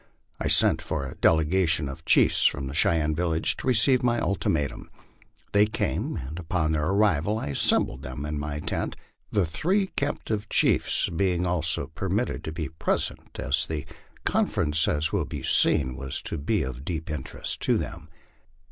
I sent for a delegation of chiefs from the Cheyenne village to receive my ultimatum. They came, and upon their arrival I assembled them in my tent, the three captured chiefs being also permitted to be present, as the confer ence, as will be seen, was to be of deep interest to them.